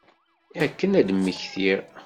Akken ad d-mmektiɣ.